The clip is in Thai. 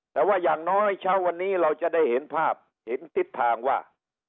แต่ว่าอย่างน้อยเช้าวันนี้เราจะได้เห็นภาพเห็นทิศทางว่า